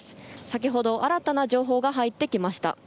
先ほど新たな情報が入ってきました。